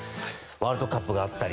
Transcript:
ワールドカップがあったり。